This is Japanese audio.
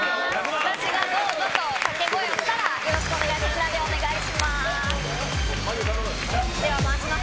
私がどうぞと掛け声をしたら、よろしくお願いします。